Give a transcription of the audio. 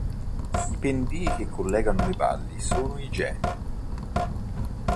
I pendii che collegano le valli sono i geni.